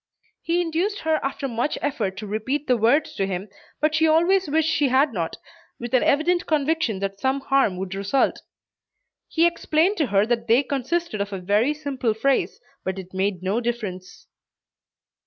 He induced her after much effort to repeat the words to him, but she always wished she had not, with an evident conviction that some harm would result. He explained to her that they consisted of a very simple phrase, but it made no difference.